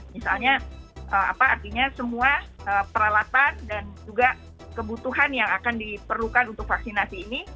misalnya apa artinya semua peralatan dan juga kebutuhan yang akan diperlukan untuk vaksinasi ini